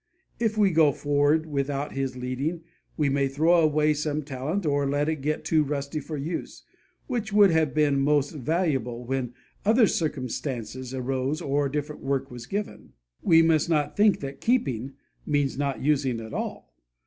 If we go forward without His leading, we may throw away some talent, or let it get too rusty for use, which would have been most valuable when other circumstances arose or different work was given. We must not think that 'keeping' means not using at all!